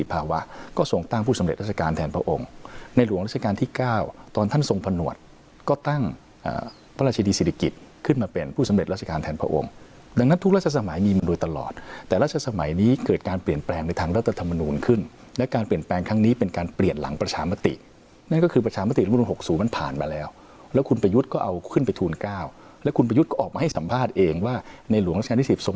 เป็นผู้สำเร็จราชการแทนพระองค์ดังนั้นทุกราชสมัยมีมันโดยตลอดแต่ราชสมัยนี้เกิดการเปลี่ยนแปลงในทางรัฐธรรมนุนขึ้นและการเปลี่ยนแปลงครั้งนี้เป็นการเปลี่ยนหลังประชามตินั่นก็คือประชามติรุงลุงหกศูมิมันผ่านมาแล้วแล้วคุณประยุทธก็เอาขึ้นไปทูลเก้าและคุณประยุทธก็ออกมาให้ส